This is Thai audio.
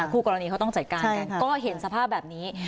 คู่กรณีเขาต้องจัดการกันก็เห็นสภาพแบบนี้